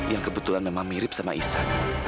yang kebetulan memang mirip sama ihsan